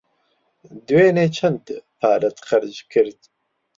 دوێنێ چەند پارەت خەرج کرد؟